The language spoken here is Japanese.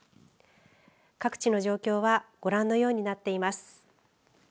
各地の状況はご覧のようになっています。